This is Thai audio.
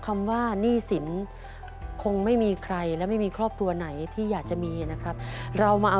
ถ้าข้อนี้หนูทำถูกอีกข้อนึงนี่คือ